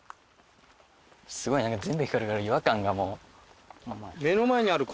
すごいなんか全部光るから違和感がもう。